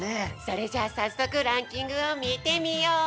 それじゃあさっそくランキングをみてみよう！